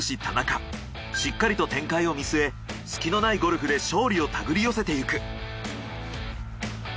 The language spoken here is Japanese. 田中しっかりと展開を見据え隙のないゴルフで勝利を手繰り寄せていく。